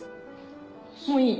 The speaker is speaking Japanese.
もういい？